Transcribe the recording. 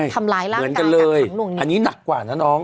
ทำลายร่างกายกันทั้งลงนี้ใช่เหมือนกันเลยอันนี้หนักกว่าน่ะน้อง